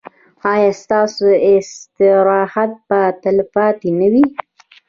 ایا ستاسو استراحت به تلپاتې نه وي؟